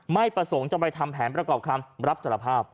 ไม่ประสงค์จะไปทำแผนประกอบคำรับสารภาพ